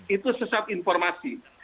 itu sesat informasi